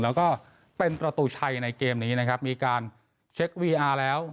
แล้วก็เป็นประตูชัยในเกมนี้นะครับมีการเช็ควีอาร์แล้ว